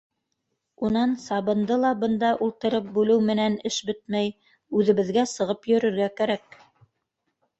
Унан сабынды ла бында ултырып бүлеү менән эш бөтмәй, үҙебеҙгә сығып йөрөргә кәрәк.